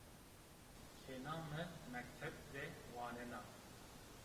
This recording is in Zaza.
Kêna mi mekteb de wanena.